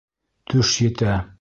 Төш етә.